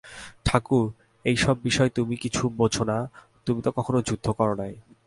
ঠাকুর, এ-সব বিষয় তুমি কিছু বোঝ না–তুমি তো কখনো যুদ্ধ কর নাই।